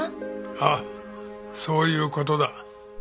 ああそういう事だ。